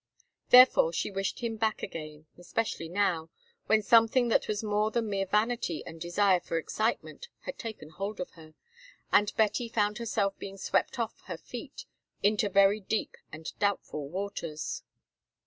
Therefore she wished him back again, especially now, when something that was more than mere vanity and desire for excitement had taken hold of her, and Betty found herself being swept off her feet into very deep and doubtful waters.